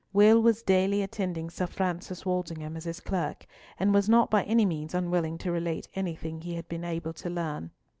Will was daily attending Sir Francis Walsingham as his clerk, and was not by any means unwilling to relate anything he had been able to learn.